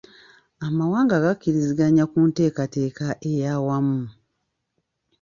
Amawanga gakkiriziganya ku nteeketeeka eyaawamu.